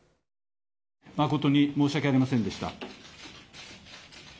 誠に申し訳ありませんでした。